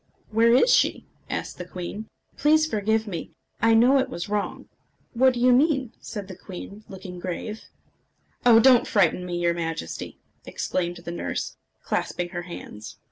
"Where is she?" asked the queen. "Please forgive me. I know it was wrong." "What do you mean?" said the queen, looking grave. "Oh! don't frighten me, your Majesty!" exclaimed the nurse, clasping her hands.